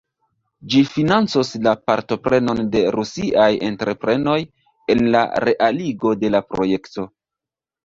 Ĝi financos la partoprenon de rusiaj entreprenoj en la realigo de la projekto.